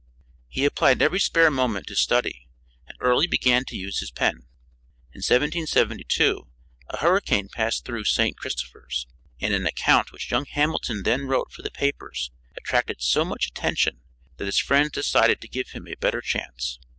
He applied every spare moment to study and early began to use his pen. In 1772 a hurricane passed through St. Christophers, and an account which young Hamilton then wrote for the papers attracted so much attention that his friends decided to give him a better chance.